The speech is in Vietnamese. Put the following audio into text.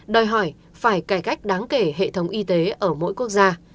đòi hỏi phải cải cách đáng kể hệ thống y tế ở mỗi quốc gia